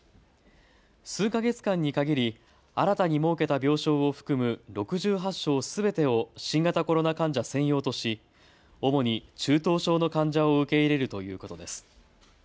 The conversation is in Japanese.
数か月間に限り、新たに設けた病床を含む６８床すべてを新型コロナ患者専用とし主に中等症の患者を受け入れるということです。